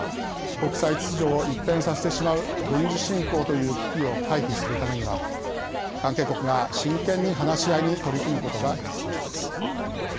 国際秩序を一変させてしまう軍事侵攻という危機を回避するためには関係国が真剣に話し合いに取り組むことが必要です。